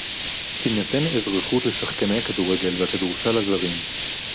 תינתן אזרחות לשחקני הכדורגל והכדורסל הזרים